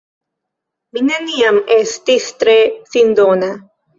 Mi neniam estis tre sindona.